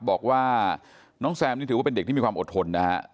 บอกว่าน้องแซมนี่ถือว่าเป็นเด็กที่มีความอดทนนะฮะ